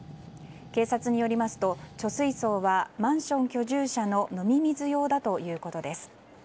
警察によりますと貯水槽はマンション居住者の飲み水用だということです。